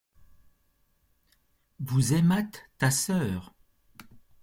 Vous aimâtes ta sœur.